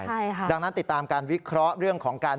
ใช่ค่ะดังนั้นติดตามการวิเคราะห์เรื่องของการ